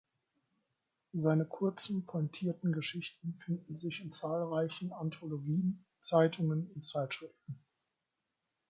Seine kurzen, pointierten Geschichten finden sich in zahlreichen Anthologien, Zeitungen und Zeitschriften.